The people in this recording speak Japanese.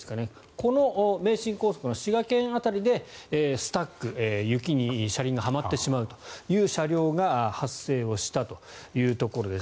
この名神高速の滋賀県辺りでスタック、雪に車輪がはまってしまうという車両が発生をしたというところです。